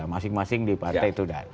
masing masing di partai itu